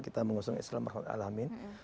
kita mengusung islam